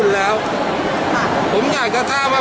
นั่งคุยเจ้าจี้กว่า